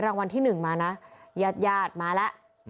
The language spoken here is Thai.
รางวัลที่หนึ่งมานะยาดมาแล้ว